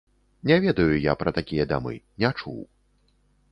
Не ведаю я пра такія дамы, не чуў.